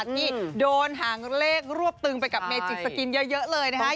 ที่โดนหางเลขรวบตึงไปกับเมจิกสกินเยอะเลยนะคะ